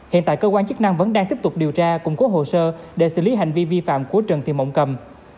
hiện tại cơ quan chức năng vẫn đang tiếp tục điều tra cùng cố hồ sơ để xử lý hành vi vi phạm của trần thị mộng cầm